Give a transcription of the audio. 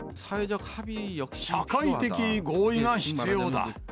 社会的合意が必要だ。